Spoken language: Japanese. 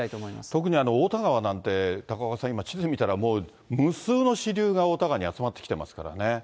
特に太田川なんて、高岡さん、今、地図見たらもう無数の支流が太田川に集まってきてますからね。